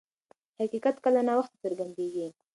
حقیقت کله ناوخته څرګندیږي.